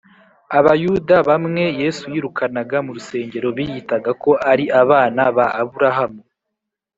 Abayuda bamwe Yesu yirukanaga mu rusengero biyitaga ko ari abana ba Aburahamu,